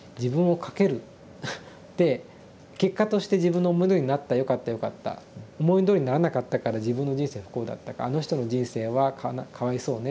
で結果として自分のものになったよかったよかった思いどおりにならなかったから自分の人生不幸だったか「あの人の人生はかわいそうね」っていうですね